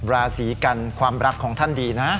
ราศีกันความรักของท่านดีนะ